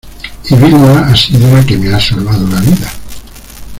y Vilma ha sido la que me ha salvado la vida.